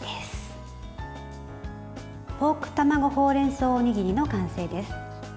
ポーク卵ほうれんそうおにぎりの完成です。